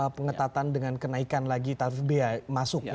pengetatan dengan kenaikan lagi tarif biaya masuk